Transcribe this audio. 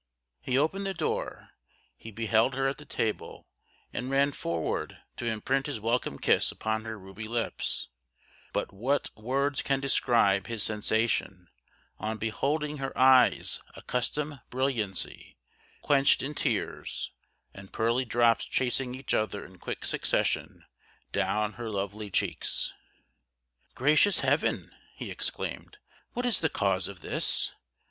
He opened the door he beheld her at the table, and ran forward to imprint his welcome kiss upon her ruby lips; but what words can describe his sensation on beholding her eyes' accustomed brilliancy quenched in tears, and pearly drops chasing each other in quick succession down her lovely cheeks! "Gracious Heaven!" he exclaimed, "what is the cause of this?